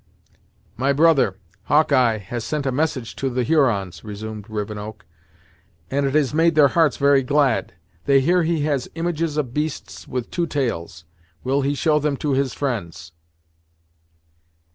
"My brother, Hawkeye, has sent a message to the Hurons," resumed Rivenoak, "and it has made their hearts very glad. They hear he has images of beasts with two tails! Will he show them to his friends?"